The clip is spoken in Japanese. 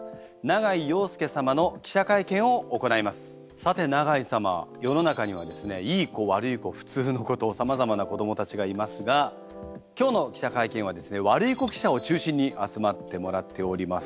さて永井様世の中にはですねいい子悪い子普通の子とさまざまな子どもたちがいますが今日の記者会見はですね悪い子記者を中心に集まってもらっております。